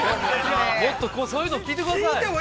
もっと、そういうの聞いてください。